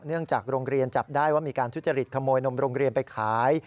โรงเรียนจับได้ว่ามีการทุจริตขโมยนมโรงเรียนไปขาย